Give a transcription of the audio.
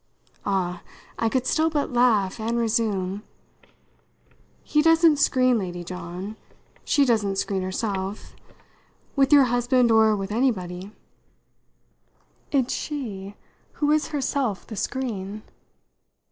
Ah, I could still but laugh and resume! "He doesn't screen Lady John she doesn't screen herself with your husband or with anybody. It's she who's herself the screen!